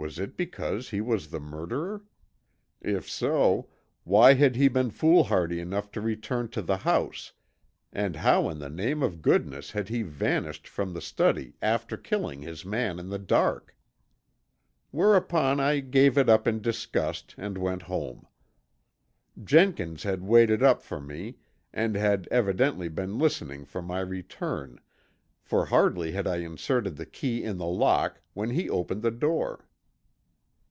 Was it because he was the murderer? If so, why had he been foolhardy enough to return to the house, and how in the name of goodness had he vanished from the study after killing his man in the dark! Whereupon I gave it up in disgust and went home. Jenkins had waited up for me and had evidently been listening for my return, for hardly had I inserted the key in the lock when he opened the door.